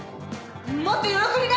もっと喜びな。